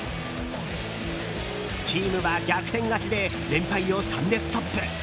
チームは逆転勝ちで連敗を３でストップ。